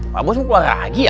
pak bos mau pulang lagi ya